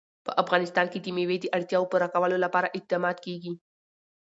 په افغانستان کې د مېوې د اړتیاوو پوره کولو لپاره اقدامات کېږي.